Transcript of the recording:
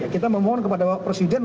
kita memohon kepada presiden